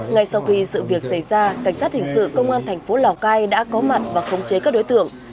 ngay sau khi sự việc xảy ra cảnh sát hình sự công an thành phố lào cai đã có mặt và khống chế các đối tượng